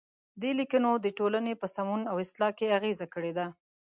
دې لیکنو د ټولنې په سمون او اصلاح کې اغیزه کړې ده.